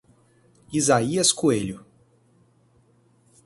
Isaías Coelho